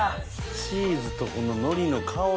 チーズとこの海苔の香り。